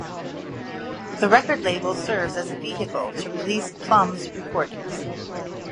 The record label serves as a vehicle to release Plumb's recordings.